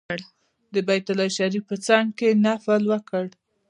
د بیت الله شریف په څنګ کې نفل وکړ.